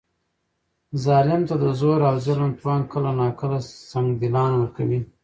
ظالم ته د زور او ظلم توان کله ناکله سنګدلان ورکوي.